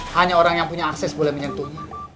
hanya orang yang punya akses boleh menyentuhnya